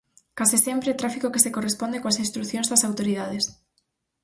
Case sempre, tráfico que se corresponde coas instrucións das autoridades.